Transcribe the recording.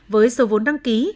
với số vốn đăng ký